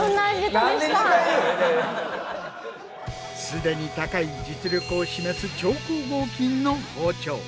既に高い実力を示す超硬合金の包丁。